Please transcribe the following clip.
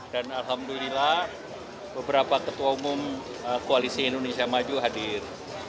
dan alhamdulillah beberapa ketua umum koalisi indonesia maju hadir